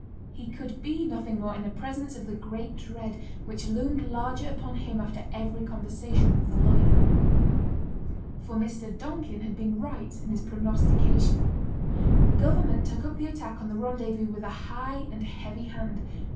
He could be nothing more in the presence of the great dread which loomed larger upon him after every conversation with the lawyer. For Mr. Donkin had been right in his prognostication. Government took up the attack on the Rendezvous with a high and heavy hand.